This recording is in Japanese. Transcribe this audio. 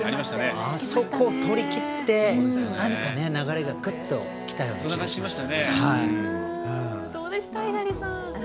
あそこをとりきって何か流れがぐっと来たような。